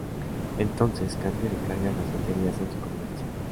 Entonces, Kandi recarga las baterías en su conveniencia.